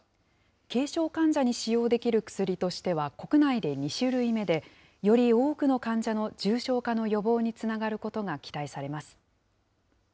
軽症患者に使用できる薬としては国内で２種類目で、より多くの患者の重症化の予防につながることが期待されます。